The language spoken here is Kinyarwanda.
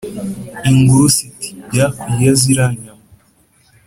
ingurusu iti «jya kurya ziriya nyama.»